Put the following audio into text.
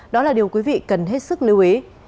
đó là điều quý vị cần hết sức lưu ý